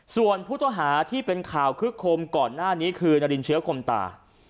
ส่วนผู้ต้องหาที่เป็นข่าวคึกคมก่อนหน้านี้คือนารินเชื้อคมตา